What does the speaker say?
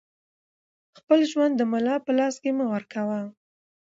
خپل ژوند د ملا په لاس کې مه ورکوه